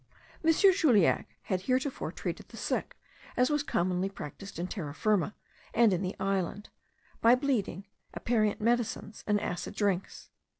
M. Juliac had heretofore treated the sick as was commonly practised in Terra Firma, and in the island, by bleeding, aperient medicines, and acid drinks.